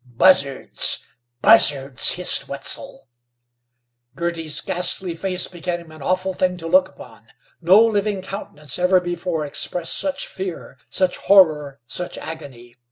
"Buzzards! Buzzards!" hissed Wetzel. Girty's ghastly face became an awful thing to look upon. No living countenance ever before expressed such fear, such horror, such agony.